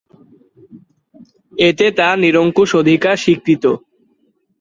এতে তার নিরঙ্কুশ অধিকার স্বীকৃত।